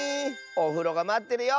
「おふろがまってるよ」